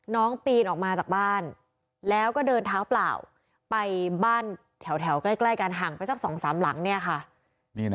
น้องปีนออกมาจากบ้านแล้วก็เดินเท้าเปล่าไปบ้านแถวใกล้กันห่างไปสัก๒๓หลังเนี่ยค่ะ